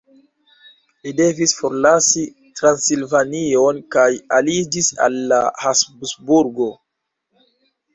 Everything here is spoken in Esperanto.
Li devis forlasi Transilvanion kaj aliĝis al la Habsburgoj.